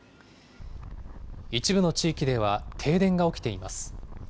一部の地域では停電が起きています。